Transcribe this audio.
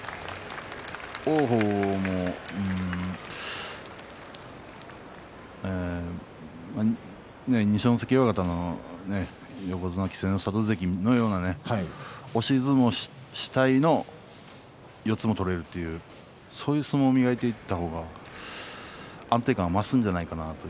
王鵬も二所ノ関親方の横綱稀勢の里関のような押し相撲を主体の四つも取れるというそういう相撲を磨いていった方が安定感が増すんじゃないかなと。